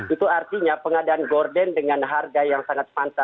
itu artinya pengadaan gorden dengan harga yang sangat pantas